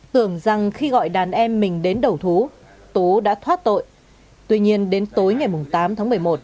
tưởng rằng khi gọi đàn em mình đến đầu thú đã thoát tội tuy nhiên đến tối ngày tám tháng một mươi một